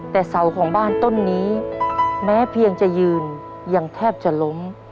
แต่เสาของบ้านต้นนี้แม้เพียงจะยืนยังแทบจะล้ม